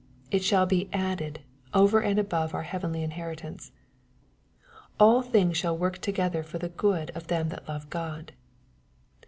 It shall be " added," over and above our heavenly inheritance. "All things shall work together for good to them that love God."